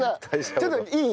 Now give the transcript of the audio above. ちょっといい？